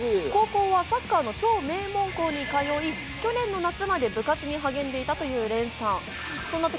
高校はサッカーの超名門校に通い、去年の夏まで部活に励んでいたという、れんさん。